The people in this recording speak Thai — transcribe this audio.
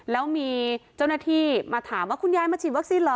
แล้วมีเจ้าหน้าที่มาถามว่าคุณยายมาฉีดวัคซีนเหรอ